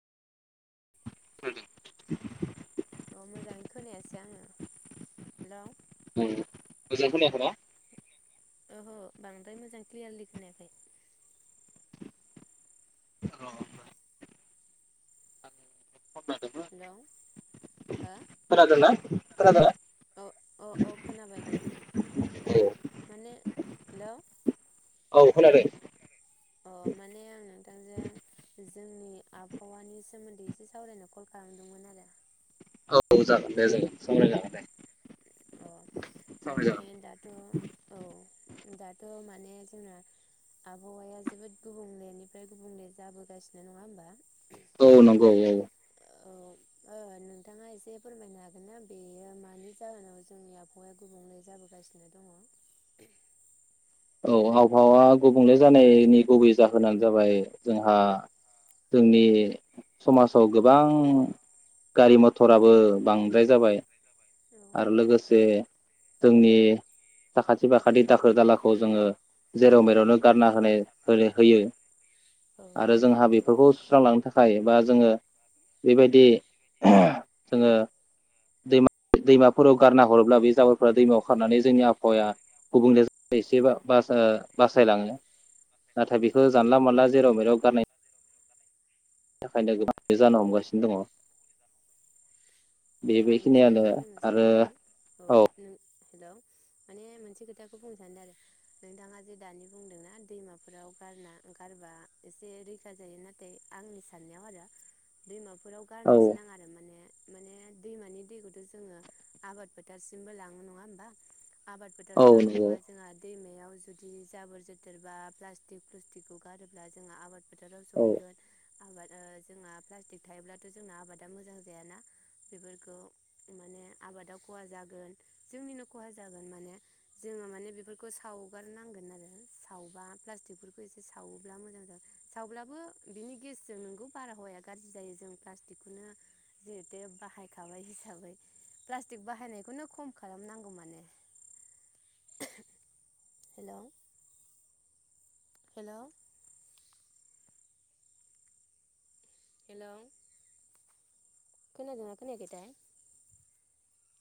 [unintelligible] औ मोजाङै खोनायासै आङो हेल ओम मोजांयै खोनाय खैना ओह बांद्राय मोजां क्लियारलि खोनायाखै हेल हो खोनादोंना खोनादोंना औ अ औ खोनाबाय दे औ माने हेल औ खोनादों अ माने आं नोंथांजों जोंनि आबहावानि सोमोन्दै एसे सावरायनो कल खालामदोंमोन आरो औ जागोन दे जागोन सावरायजागोन दे अ माने दा आ औ दाथ माने जोंना आबहावाया जोबोद गुबुंलेनिफ्राय गुबुंले जाबोगासिनो नङा होमबा औ नंगौ औ औ ओ नोंथाङा एसे फोरमायनो हागोन ना बेयो मानि जाहोनाव जोंनि आबहावाया गुबुंले जाबोगासिनो दङ औ आबहावा गुबुंले जानायनि गुबै जाहोनानो जाबाय जोंहा जोंनि समाजाव गोबां गारि मथराबो बांद्राय जाबाय औ औ आरो लोगोसे जोंनि साखाथि फाखाथि दाखोर दालाखौ जोङो जेराव मेरावनो गारना होनाय होयो आरो जोंहा बेफोरखौ सुस्रांलांनो थाखाय बा जोङो बेबायदि जोङो दैमा दैमाफोराव गारना हरोब्ला बे जाबोरफोरा दैमायाव खारनानै जोंनि आबहावाया गुबुंले एसेबा बास ओ बासायलाङो नाथाय बे खौ जानला मोनला जेराव मेराव गारनाय औ बेनि थाखायनो गोबां बे जानो हमगासिनो दङ बे औ आं मोनसे बेखिनियानो खोथा बुंनो आरो सानदों औ नों हेलौ माने मोनसे खोथाखौ बुंनो सानदों आरो नोंथाङा जे दानि बुंदोंना दैमाफोराव गारना गारबा एसे रैखा जायो नाथाय आंनि साननायाव आरो दैमा बेफोराव औ गारनोसो नाङा आरो माने माने दैमानि दैखौथ जोङो आबाद फोथारसिमबो लाङो नङा होमबा आबाद औ फोथाराव नंगौ लाङोबा जोंहा दैमायाव याव जुदि जाबोर जोथोर बा प्लाटिक फ्लुस्टिकखौ गारोब्ला जोंहा आबाद फोथाराव औ सहैगोन आबाद ओ जोङा प्लास्टिक थायोब्लाथ जोंना आबादा मोजां जायाना बेफोरखौ माने आबादाव खहा जागोन जोंनिनो खहा जागोन माने जोङो माने बेफोरखौ सावगारनांगोन आरो सावबा प्लास्टिकफोरखौ एसे सावोब्ला मोजां जागोन सावब्लाबो बिनि गेसजों नोंगौ बारहावाया गाज्रि जायो जों प्लास्टिकखौनो जिहेते बाहायखाबाय हिसाबै प्लास्टिक बाहायनायखौनो खम खालामनांगौ माने हेलौ हेलौ हेलौ खोनादोंना खोनायाखै थाय